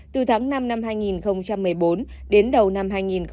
từ tháng năm năm hai nghìn một mươi bốn đến đầu năm hai nghìn một mươi tám